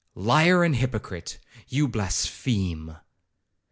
'Liar and hypocrite, you blaspheme!'